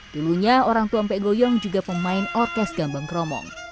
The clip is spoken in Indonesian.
dulunya orang tua mpek goyong juga pemain orkes gambang kromong